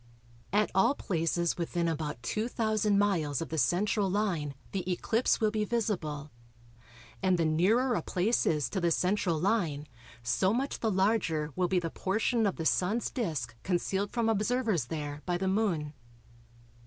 At all places within about 2000 miles of the central line the eclipse will be visible, and the nearer a place is to the central line, so much the larger will be the portion of the Sun's disc concealed from observers there by the Moon.